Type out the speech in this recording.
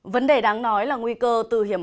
vấn đề đáng nói là nguy cơ từ hiểm